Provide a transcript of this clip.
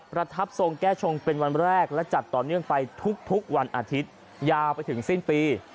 เป็นวันแรกและจัดต่อเนื่องไปทุกทุกวันอาทิตยาวไปถึงสิ้นปี